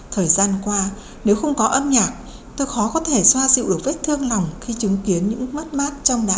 thời gian qua nếu không có âm nhạc tôi khó có thể xoa dịu được vết thương lòng khi chứng kiến những mất mát trong đá